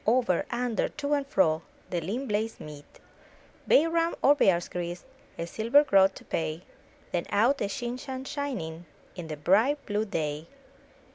Over, under, to and fro. The lean blades meet; Bay Rum or Bear's Grease, A silver groat to pay — Then out a shin shan shining In the bright, blue day.